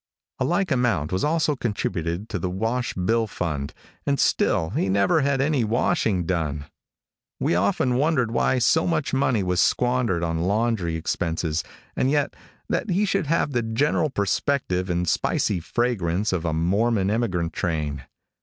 A like amount was also contributed to the Wash Bill Fund, and still he never had any washing done. We often wondered why so much money was squandered on laundry expenses, and yet, that he should have the general perspective and spicy fragrance of a Mormon emigrant train.